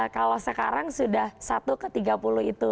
kalau sekarang sudah satu ke tiga puluh itu